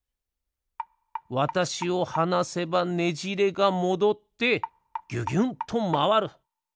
わたしをはなせばねじれがもどってぎゅぎゅんとまわる。